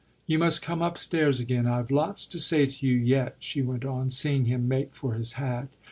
"You must come upstairs again I've lots to say to you yet," she went on, seeing him make for his hat.